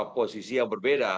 posisi yang berbeda